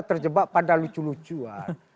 terjebak pada lucu lucuan